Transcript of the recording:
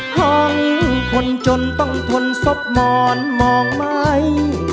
ห้องคนจนต้องทนศพหมอนมองไหม